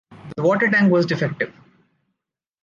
The water tank was defective.